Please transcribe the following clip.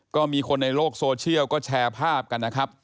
ก็มีคนในโลกโซเชียลก็แชร์ภาพกันนะครับ